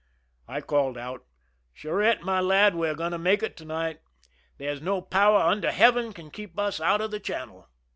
" I called out: "Charette, lad, we are going to make it to night. There is no power under heaven can keep us out of the channel